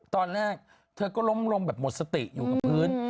ตอนแรกเธอก็ล้มลงแบบหมดสติอยู่กับพื้น